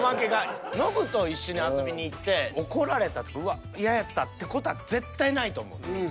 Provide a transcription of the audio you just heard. ノブと一緒に遊びに行って怒られたとかうわぁ嫌やったって事は絶対ないと思うねん。